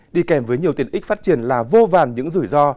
đi kèm với nhiều tiền ích phát triển là vô vàn những rủi ro